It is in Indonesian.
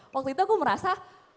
waktu itu aku merasa